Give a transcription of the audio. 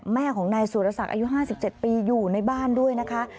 แม่ของนายสุรศักดิ์อายุ๕๗ปีอยู่ในบ้านด้วยนะคะ